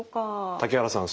竹原さん